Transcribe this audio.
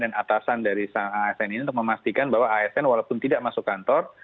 dan atasan dari asn ini untuk memastikan bahwa asn walaupun tidak masuk kantor